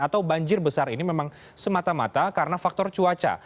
atau banjir besar ini memang semata mata karena faktor cuaca